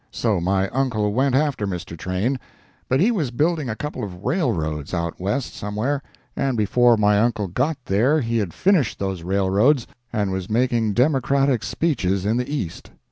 So my uncle went after Mr. Train, but he was building a couple of railroads out West, somewhere, and before my uncle got there he had finished those railroads and was making Democratic speeches in the East.